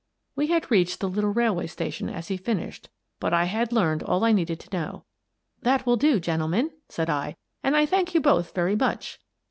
We had reached the little railway station as he finished, but I had learned all I needed to know. " That will do, gentlemen," said I, " and I thank you both very much."